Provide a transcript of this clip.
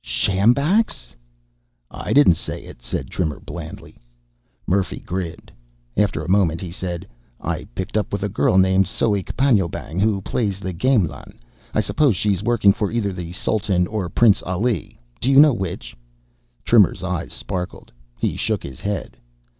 "Sjambaks?" "I didn't say it," said Trimmer blandly. Murphy grinned. After a moment he said. "I picked up with a girl named Soek Panjoebang who plays the gamelan. I suppose she's working for either the Sultan or Prince Ali. Do you know which?" Trimmer's eyes sparkled. He shook his head.